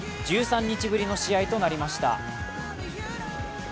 １３日ぶりの試合となりました。